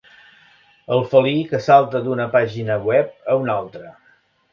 El felí que salta d'una pàgina web a una altra.